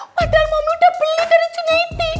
padahal mami udah beli dari cina it